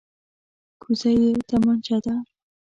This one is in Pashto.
کوزه یې تمانچه ده.